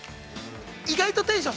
◆意外とテンションが。